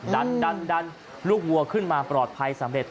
ดันลูกวัวขึ้นมาปลอดภัยสำเร็จ